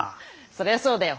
そりゃそうだよ。